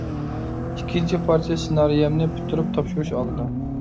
ئىككىنچى پارچە سېنارىيەمنى پۈتتۈرۈپ تاپشۇرۇش ئالدىدا.